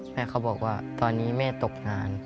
เขาบอกว่าตอนนี้แม่ตกงาน